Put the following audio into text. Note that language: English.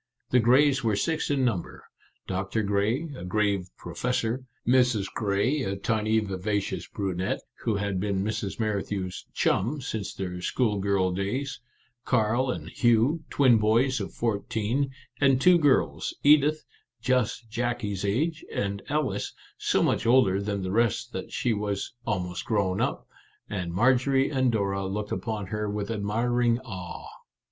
The Greys were six in number : Doctor Grey, a grave professor ; Mrs. Grey, a tiny, vivacious brunette, who had been Mrs. Merrithew's " chum " since their schoolgirl days ; Carl and Hugh, twin boys of fourteen ; and two girls, Edith, just Jackie's age, and Alice, so much older than the rest that she was Our Little Canadian Cousin 45 " almost grown up/' and Marjorie and Dora looked upon her with admiring awe.